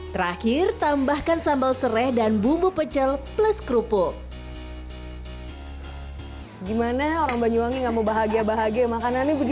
terakhir tambahkan sambal serai dan bumbu pecel plus kerupuk